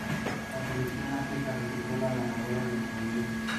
La selección africana resultó la ganadora del Mundial.